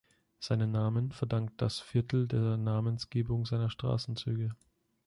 Seinen Namen verdankt das Viertel der Namensgebung seiner Straßenzüge.